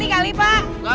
gak ada ya